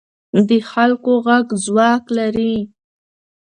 د خلکو غږ ځواک لري